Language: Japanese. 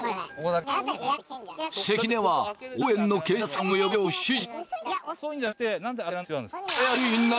関根は応援の警察官を呼ぶよう指示。